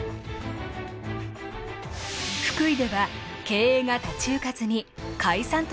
福井では経営が立ち行かずに解散となったチームも。